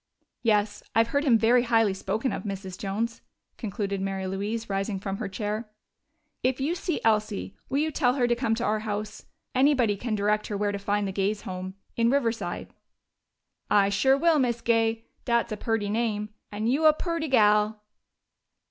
"Yes, I've heard him very highly spoken of, Mrs. Jones," concluded Mary Louise, rising from her chair. "If you see Elsie, will you tell her to come to our house? Anybody can direct her where to find the Gays' home, in Riverside." "I sure will, Miz Gay. Dat's a perty name.... And you a perty gal!"